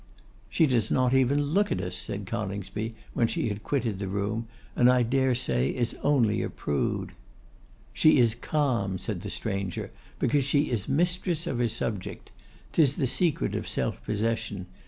'She does not even look at us,' said Coningsby, when she had quitted the room; 'and I dare say is only a prude.' 'She is calm,' said the stranger, 'because she is mistress of her subject; 'tis the secret of self possession.